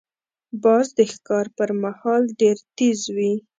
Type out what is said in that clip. باز د ښکار پر مهال ډېر تیز وي